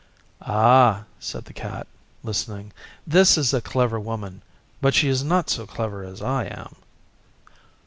'Ah,' said the Cat, listening, 'this is a clever Woman, but she is not so clever as I am.